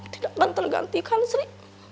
tidak akan tergantikan sri